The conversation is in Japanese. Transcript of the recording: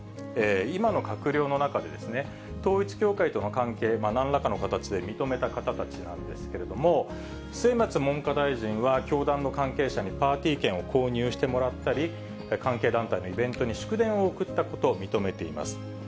今の閣僚の中で、統一教会との関係、なんらかの形で認めた方たちなんですけれども、末松文科大臣は、教団の関係者にパーティー券を購入してもらったり、関係団体のイベントに祝電を送ったことを認めています。